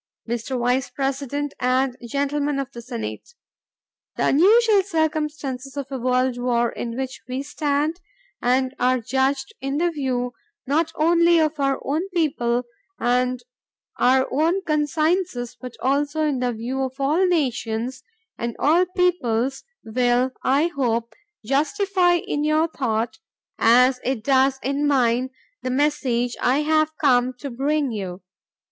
Mr. Vice President and Gentlemen of the Senate: The unusual circumstances of a world war in which we stand and are judged in the view not only of our own people and our own consciences but also in view of all nations and all peoples will, I hope, justify in your thought, as it does in mine, the message I have come to bring you.